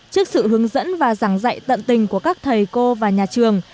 trước sự hướng dẫn và giảng dạy tận tình của các thầy cô và nhà trường